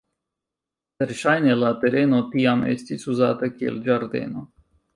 Verŝajne la tereno tiam estis uzata kiel ĝardeno.